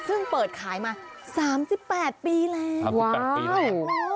ซึ่งเปิดขายมา๓๘ปีแล้วว้าว